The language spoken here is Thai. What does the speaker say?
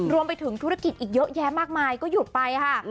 รวมไปถึงธุรกิจอีกเยอะแยะมากมายก็หยุดไปค่ะ